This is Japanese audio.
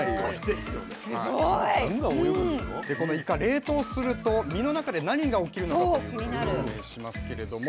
でこのイカ冷凍すると身の中で何が起きるのかということを説明しますけれども。